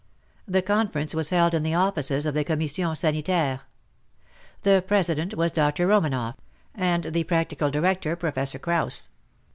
The conference was held in the offices of the Commission Sanitaire. The President was Dr. Romanoff, and the practical director Professor Krauss.